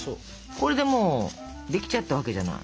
これでもうできちゃったわけじゃない？